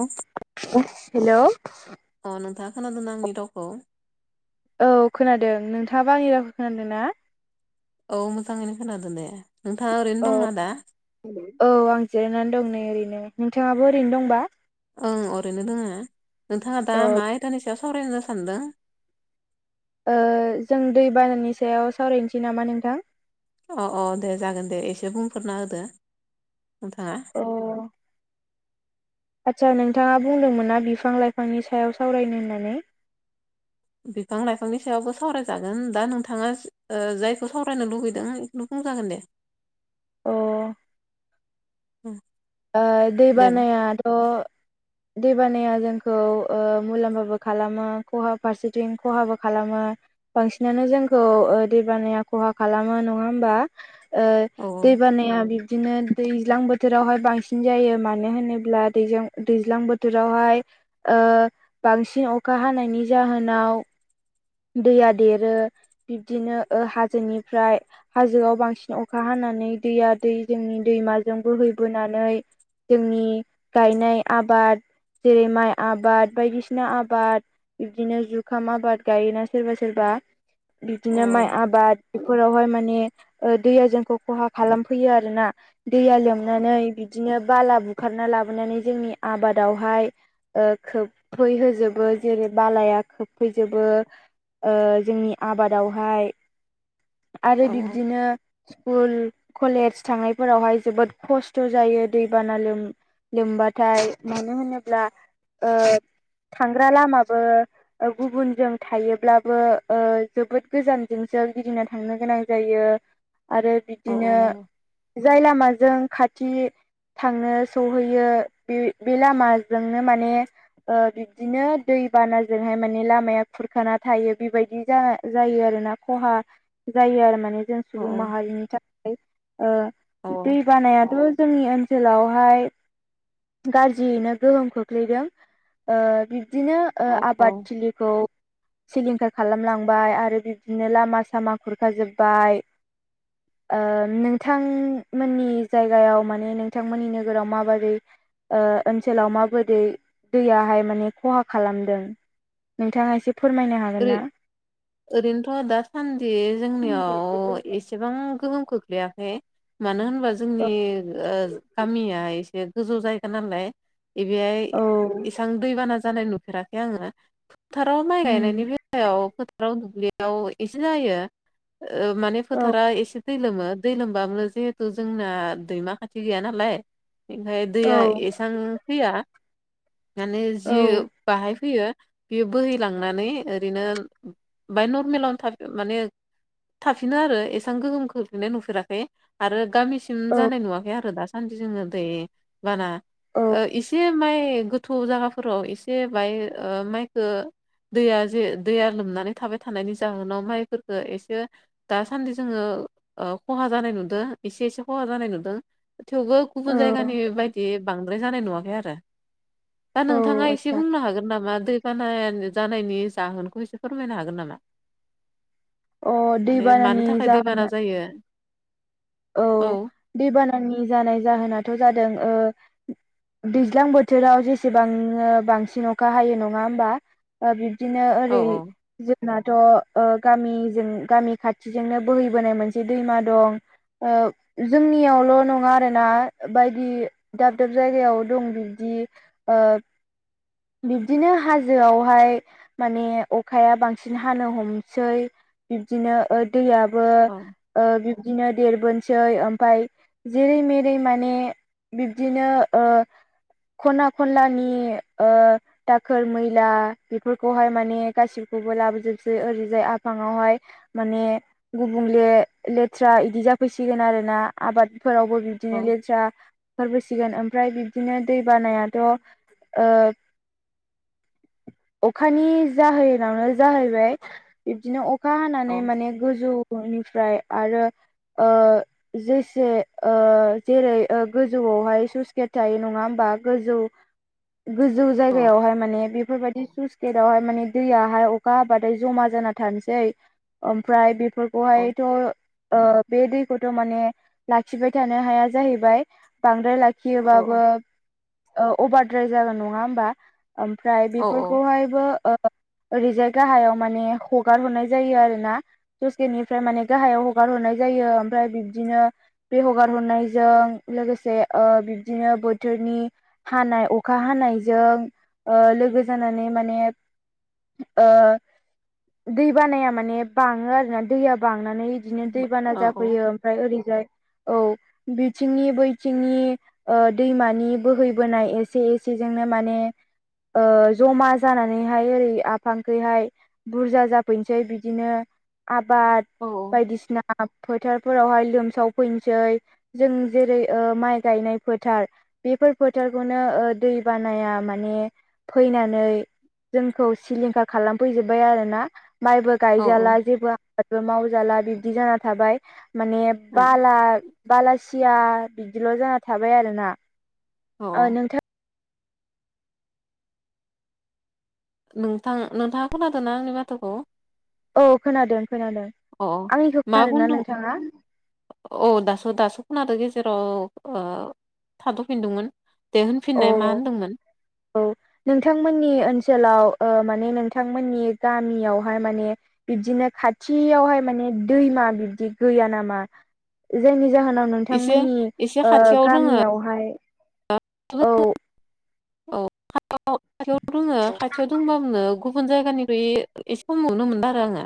अ hello अ नोंथाङा खोनादों आंनि रावखौ औ खोनादों नोंथाङाबो आंनि रावखौ खोनादों ना औ मोजाङैनो खोनादों दे नोंथाङा ओरैनो औ दंना दा औ आं जिरायनानै दं नै ओरैनो नोंथाङाबो ओरैनो दंबा ओं ओरैनो दोङ नोंथाङा दा औ मा आयदानि सायाव सावरायनो सानदों जों दै बानानि सायाव सावरायनोसै नामा नोंथां अ औ दे जागोन दे एसे बुंफोरना होदो नोंथाङा अ आदसा नोंथाङा बुंदोंमोन ना बिफां लाइफांनि सायाव सावरायनो होननानै बिफां लाइफांनि सायावबो सावरायजागोन दा नोंथाङा जायखौ सावरायनो लुुबैदों बेखौनो बुंजागोन दे अ उम दै दे बानायाथ' दैबानाया जोंखौ मुलाम्फाबो खालामो खहा फारसेथिं खहाबो खालामो बांसिनानो जोंखौ दैबानाया खहा खालामो नङा होमबा औ दै बानाया बिबदिनो दैज्लां बोथोरावहाय बांसिन बांसिन जायो मानो होनोब्ला दैज दैज्लां बोथोरावहाय बांसिन अखा हानायनि जाहोनाव दैया देरो बिब्दिनो हाजोनिफ्राय हाजोआव बांसिन अखा हानानै दैया दै जोंनि दैमाजों बोहैबोनानै जोंनि गायनाय आबाद जेरै माइ आबाद बायदिसिना आबाद बिबदिनो जुखाम आबाद गायोना सोरबा सोरबा औ बिदिनो माइ आबाद बेफोरावहाय माने दैया जोंखौ खहा खालामफैयो आर ना दैया लोमनानै बिदिनो बाला बुखारना लाबोनानै जोंनि आबादावहाय खोबफैहोजोबो जेरै बालाया खोबफैजोबो जोंनि आबादावहाय आरो औ बिब्दिनो स्कुल कलेज थांनायफोरावहाय जोबोद खस्थ' जायो दैबाना लों लोमबाथाय मानो होनोब्ला थांग्रा लामाबो गुबुन जों थायोब्लाबो जोबोद गोजानजोंसो गिदिंना थांनो गोनां जायो आरो औ बिदिनो जाय लामाजों खाथि थांनो सहैयो बे बे लामाजोंनो माने बिबदिनो दै बानाजोंहाय माने लामाया खुरखाना थायो बेबायदि जायो आरो ना खहा जायो आरो माने जों औ सुबुं माहारिनि थाखाय औ दै बानायाथ जोंनि ओनसोल ओनसोलावहाय गाज्रियैनो गोहोम खोख्लैदों बिदिनो औ औ आबादथिलिखौ सिलिंखार खालामलांबाय आरो बिब्दिनो लामा सामा खुरखाजोब्बाय नोंथांमोननि जायगायाव माने नोंथांमोननि नोगोराव माबोरै ओनसोलाव माबोरै दैयाहाय माने खहा खालामदों नोंथाङा एसे फोरमायनो हागोन बै ना? ओरैनोथ' दासान्दि जोंनियाव एसेबां गोहोम खोख्लैयाखै मानो होनबा जोंनि गामिया एसे गोजौ जायगा नालाय बेहाय औ इसां दैबाना जानाय नुफेराखै आङो फोथाराव माइ उम गायनायनि थायायाव फोथाराव दुब्लियाव एसे जायो माने औ फोथारा एसे दै लोमो दै लोमबाब जिहेथु जोंना दैमा खाथि गैया नालाय ओमफ्राय औ दैया एसेबां फैया माने औ जि बाहाय फैयो बियो बोहैलांनानै ओरैनो बाय नरमेलावनो थाब माने थाफिनो आरो एसेबां गोहोम खोख्लैनाय नुफेराखै आरो गामिसिम औ जानाय नुवाखै आरो दासम इदि जोङो दै बाना औ एसे माइ गोथौ जायगाफोराव एसे बाय माइखो दैया जे दैया लोमनानै थाबाय थानायनि जाहोनाव माइफोरफोरखौ एसे दासान्दि जोङो खहा जानाय नुदों एसे एसे खहा जानाय नुदों थेवबो गुबुन औ जायगानि बायदि बांद्राय जानाय नुवाखै आरो दा औ नोंथाङा एसे आतसा बुंनो हागोन नामा दै बाना जानायनि जाहोनखौ एसे फोरमायनो हागोन नामा अ माने मानो दैबानानि थाखाय जाहोना दैबाना जायो औ दैबानानि जानाय जाहोनाथ' जादों ओ दैज्लां बोथोराव जेसेबांनो बांसिन अखा हायो नङा होमबा बिब्दिनो औ ओरै जोंनाथ‌' गामिजों गामि खाथिजोंनो बोहैबोनाय मोनसे दैमा दं जोंनियावल' नङा आरोना बायदि दाब दाब जायगायाव दं बिब्दि ओ बिब्दिनो हाजोआवहाय माने अखाया बांसिन हानो हमसै बिब्दिनो दैयाबो औ बिबदिनो देरबोनोसै ओमफाय जेरै मेरै माने बिब्दिनो ओ खना खनलानि ओ दाखोर मैला बेफोरखौहाय माने गासिखौबो लाबोजोबसै ओरैजाय आफाङावहाय माने गुबुंले लेथ्रा बिदि जाफैसिगोन आरो ना आबादफोरावबो बिदिनो औ लेथ्रा बुखारबोसिगोन ओमफ्राय बिबदिनो दै बानायाथ' अखानि जाहोनावनो जाहैबाय बिबदिनो अ- अखा हानानै माने गोजौनिफ्राय आरो ओ जेसे ओ जेरै गोजौआवहाय सुइस गेट थायो नङा होमबा गोजौ गोजौ औ जायगायावहाय माने बेफोरबायदि सु- जेरावहाय माने दैयाहाय अखा हाबाथाय जमा जाना थानोसै ओमफ्राय बे- औ बेखौहायथ' ओ बे दैखौथ' माने लाखिबाय थानो हाया जाहैबाय बांद्राय ला- औ औ लाखियोबाबो अभारद्राय जागोन नङा होमबा ओमफ्राय औ बेफोरखौहायबो ओरैजाय गाहायाव माने हगार हरनाय जायो आरो ना सुइस गेटनिफ्राय माने गाहायाव हगार हरनाय जायो ओमफ्राय बिब्दिनो बे हगार हरनायजों लोगोसे बिब्दिनो बोथोरनि हानाय अखा हानायजों लोगो जानानै माने दै बानाया माने बाङो आरोना दैया बांनानै बिदिनो दैबाना औ जाफैयो ओमफ्राय ओरैजाय औ बिथिंनि बैथिंनि दैमानि बोहैबोनाय एसे एसेजोंनो माने ओ जमा जानानैहाय ओरै आफांखैहाय बुरजा जाफैनोसै बिदिनो आबाद औ बायदिसिना फोथारफोरावहाय लोमसाव फैनोसै जों जेरै माइ गायनाय फोथार बेफोर फोथारखौनो दै बानाया माने फैनानै जोंखौ सिलिंखार खालामफैजोबबाय आरो ना माइबो गायजाला औ जेबो आबादबो मावजाला बिब्दि जाना थाबाय माने औ बाला बालासिया बिदिल' जाना थाबाय आरोना। ओ औ नोंथां नोंथां नोंथाङा खोनादों ना आंनि माथोखौ औ खोनादों खोनादों अ आंनिखौ मा खोनादोंना बुंदों नोंथाङा औ दासो दासो खनाादो गेजेराव थाथ'फिनदोंमोन। दे औ होनफिननाय मा होनदोंमोन औ नोंथांमोननि ओनसोलाव माने नोंथांमोननि गामियावहाय माने बिबदिनो खाथियावहाय माने दैमा बिबदि गैया नामा जायनि जाहोनाव एसे नोंथांमोननि एसे खाथियाव दोङो गामियावहाय औ औ खा खाथियाव दोङो खाथियाव दंबाबो गुबुन जायगानिफ्राय एसे खम नुनो मोनदों आरो आङो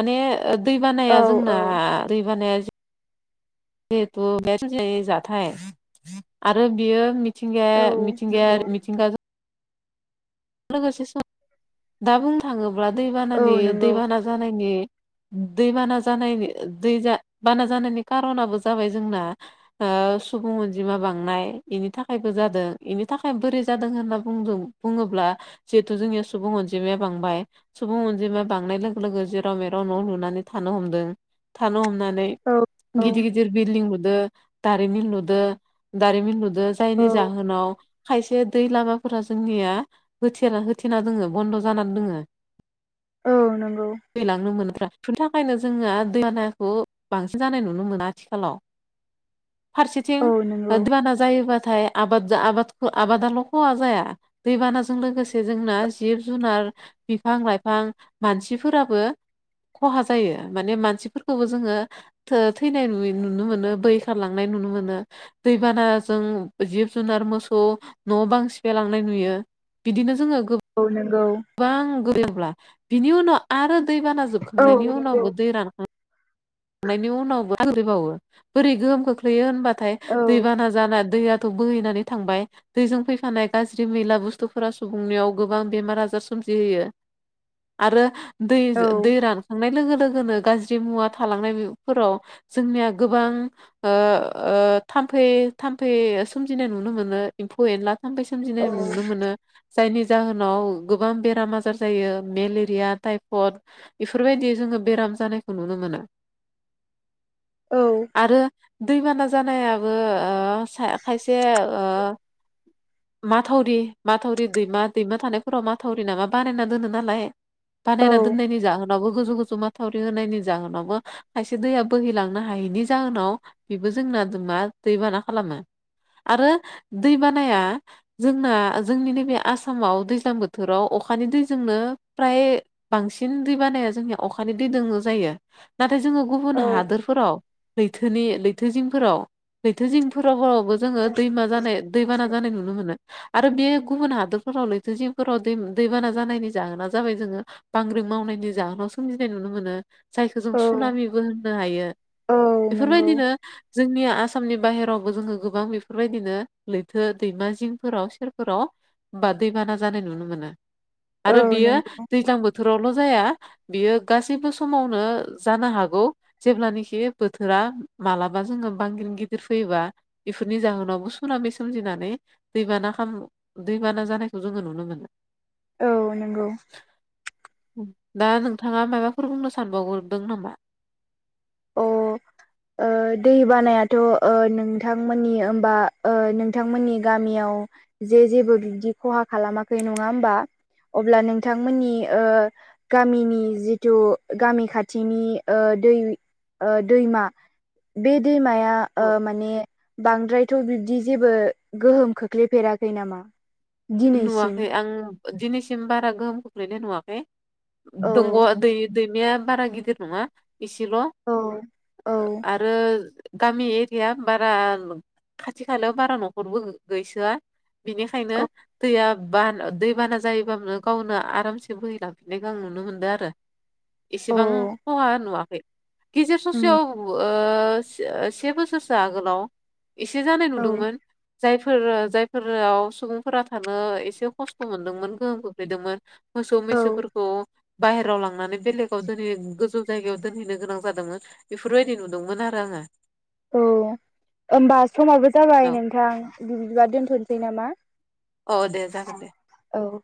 माने दै औ बानाया औ जोंना दै बानाया जिहेथु बे [unintelligible] जाथाय आरो बियो मिथिंगा औ मिथिंगा नंगौ मिथिंगायजों लोगोसे सम दा बुंनो थाङोब्ला औ दैबानानि नंगौ दैबाना जानायनि दै बाना जानायनि दै बाना जानायनि खारनाबो जाबाय जोंना ओ सुबुं अनजिमा बांनाय इनि थाखायबो जादों इनि थाखाय बोरै जादों होनना बुंदों। बुङोब्ला जिहेथु जोंनिया सुबुं अनजिमाया बांबाय सुबुं अनजिमा बांनाय लोगो लोगो जेराव मेराव न' लुनानै थानो हमदों थानो हमना नानै औ गिदिर औ गिदिर बिल्डिं लुदो दारिमिन लुदों दारिमिन लु जायनि जाहोनाव खायसे दै लामाफोरा जोंनिया होथेना होथेना दोङो बन्द' जानानै दोङो औ नंगौ। दैलांनो मोनोथ्रा बेनि थाखायनो जोङो दैबानाखौ बांसिन जानाय नुनो मोना आथिखालाव [unintelligible] [inaudible] फारसेथिं औ नंगौ दैबाना जायोबा नाथाय आबाद आबाद खहा जाया दैबाना जों लोगोसे जोंना जिब जुनार बिफां लाइफां मानसिफोराबो खहा जायो माने मानसिफोरखौबो जोङो थो थैनाय नुनो मोनो बैहैरलांनाय नुनो मोनो। दैबानाजों जिब जुनार मोसौ न' बां सिफाय लांनाय नुयो। बिदिनो जोङो औ नंगौ। गोबां गोरोब्ला [unintelligible] बिनि उनाव आरो दै बाना औ जोबखांनायनि नंगौ उनावबो दै रान खांनायनि उनाबो [unintelligible] बोरै गोहोम खोख्लैयो होनब्लाथाय औ दैबानाजों जाना दैयाथ' बोहैनानै थांबाय दैजों फैफानाय गाज्रि मैला बुस्थुफोरा सुबुंनियाव गोबां बेमार आजार सोमजिहोयो। आरो दै औ दै रानखांनाय लोगो लोगोनो गाज्रि मुवा थालांनायफोराव जोंनिया गोबां ओ ओ थामफै थामफै सोमजिनाय नुनो मोनो एम्फौ एनला थाम्फै सोमजिनाय नुनो मोनो। जायनि जाहोनाव गोबां बेराम आजार जायो मेलेरिया, टाइफयड। बेफोरबायदि जोङो बेराम जानायखौ नुनो मोनो। औ आरो दैबाना जानायाबो ओ खायसे ओ माथावरि माथावरि दैमा दैमा थानायफोराव माथावरि नामा बानायना दोनो नालाय बानायना दोननायनि जाहोनावबो गोजौ गोजौ माथावरि होनायनि जाहोनावबो खायसे दैया बोहैलांनो हायैनि जाहोनाव बेबो जोंना मा दैबाना खालामो। आरो दै बानाया जोंना जोंनि नैबे आसामाव दैज्लां बोथोराव अखानि दैजोंनो फ्राय बांसिन दै बानाया जोंनिया अखानि दै दोङो जायो नाथाय जोङो औ गुबुन हादोरफोराव लैथोनि लैथो जिंफोराव लैथो जिंफोरावफोरावबो जोङो दैमा जानाय दैबाना जानाय नुनो मोनो। आरो बे गुबुन हादोरफोराव लैथो जिफोराव दै दैबाना जानायनि जाहोना जाबाय जोङो बांग्रि मावनायनि जाहोनाव सोमजिनाय नुनो मोनो। जायखौ जों औ सुनामिबो होननो हायो औ नंगौ बेफोरबायदिनो जोंनि आसामनि बाहेरावबो जोङो गोबां बेफोरबायदिनो लैथो दैमा जिंफोराव सेर सेरफोराव बा दैबाना जानाय नुनो मोनो। औ आरो नंगौ बियो दैज्लां बोथोरावल' जाया बियो गासैबो समावनो जानो हागौ जेब्लानोखि बोथोरा मालाबा जोङो बांग्रिं गिदिर फैयोबा बेफोरनि जाहोनावबो सुनामि सोमजिनानै दैबाना खामो। दैबाना जानायखौ जोङो नुनो मोनो। औ नंगौ दा नोंथाङा माबाफोर बुंनो सानबावदों नामा औ ओ दै बानायाथ' ओ नोंथांमोननि होमबा ओ नोंथांमोननि गामियाव जे जेबो बिबदि खहा खालामाखै नङा होमबा अब्ला नोंथांमोननि ओ गामिनि जिथु गामि खाथिनि ओ दै ओ दैमा बे दैमाया ओ माने बांद्रायथ' बिब्दि जेबो गोहोम खोख्लैफेराखै नामा दिनैसिम नुवाखै आं दिनैसिम बारा गोहोम खोख्लैनाय नुवाखै औ दंग' दै दैमाया बारा गिदिर नङा एसेल' औ औ आरो गामि एरिया बारा खाथि खालायाव बारा न'खरबो गैसोआ बिनिखायनो औ दैया बान दै बाना जायोबनो गावनो आरामसे बोहैलांफिननायखौ आं नुनो मोनदों आरो औ एसेबां खहा नुवाखै गेजेर उम ससेयाव ओ से से बोसोरसो आगोलाव एसे जानाय औ नुदोंमोन जायफोर जायफोराव सुबुंफोरा थानो एसे खस्थ' मोनदोंमोन गोहोम खोख्लैदोंमोन मोसौ औ मैसोफोरखौ बाहेराव लांनानै बेलेग दोनै गोजौ जायगायाव दोनहैनो गोनां जादोंमोन बेफोरबायदि नुदोंमोन आरो आङो औ होमबा समाबो जाबाय औ नोंथां बिदिबा दोनथ'नोसै नामा औ दे जागोन दे औ